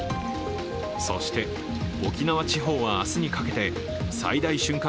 そして沖縄地方は明日にかけて最大瞬間